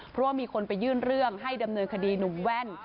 เพราะว่ามีคนไปยื่นเรื่องให้ดำเนินคดีหนุ่มแว่น